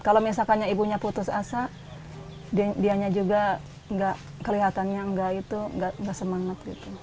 kalau misalkan ibunya putus asa dianya juga kelihatannya nggak semangat